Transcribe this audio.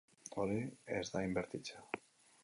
Hori ez da inbertitzea.